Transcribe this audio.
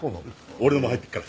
俺のも入ってるから。